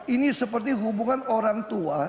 ini seperti hubungan orang tua